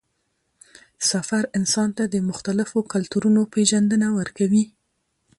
سفر انسان ته د مختلفو کلتورونو پېژندنه ورکوي